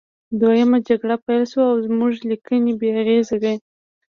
دویمه جګړه پیل شوه او زموږ لیکنې بې اغیزې وې